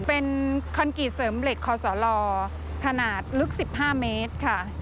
เป็นคอนกรีตเสริมเหล็กคอสลขนาดลึก๑๕เมตรค่ะ